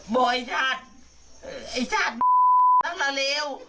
บอกไอ้ชาติไอ้ชาตินั่นแล้ว